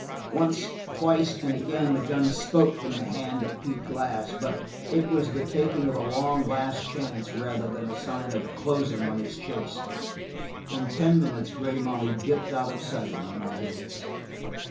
Once, twice and again the gun spoke from the hand of Pete Glass, but it was the taking of a long last chance rather than a sign of closing on his chase. In ten minutes Grey Molly dipped out of sight among the hills.